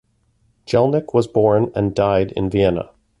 Jelinek was born and died in Vienna.